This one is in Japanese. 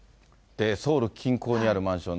ソウル近郊にあるマンション。